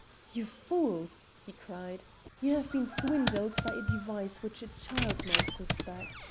"You fools!" he cried. "You have been swindled by a device which a child might suspect.